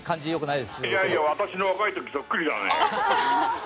「いやいや私の若い時そっくりだね」